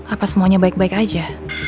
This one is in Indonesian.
apa semuanya baik baik aja